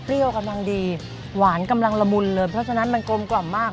กำลังดีหวานกำลังละมุนเลยเพราะฉะนั้นมันกลมกล่อมมาก